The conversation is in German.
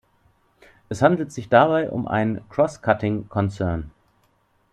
Es handelt sich dabei um einen Cross-Cutting Concern.